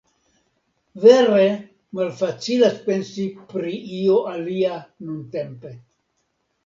Vere, malfacilas pensi pri io alia nuntempe...